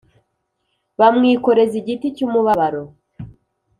bamwikoreza igiti cy umubabaro